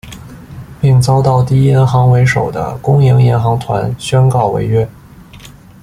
并遭到第一银行为首的公营银行团宣告违约。